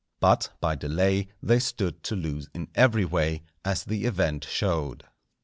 But by delay they stood to lose in every way, as the event showed.